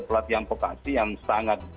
pelatihan vokasi yang sangat